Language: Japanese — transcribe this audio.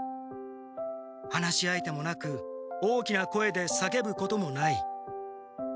話し相手もなく大きな声でさけぶこともない。